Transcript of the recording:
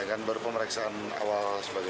ya kan baru pemeriksaan